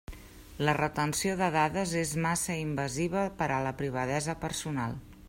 La retenció de dades és massa invasiva per a la privadesa personal.